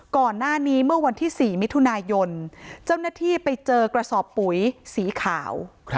ก่อนหน้านี้เมื่อวันที่๔มิถุนายนเจ้าหน้าที่ไปเจอกระสอบปุ๋ยสีขาว